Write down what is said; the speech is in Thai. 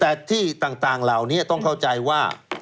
แต่ที่ต่างเหล่านี้ต้องเข้าใจว่า